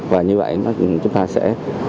và như vậy chúng ta sẽ